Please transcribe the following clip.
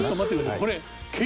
これ。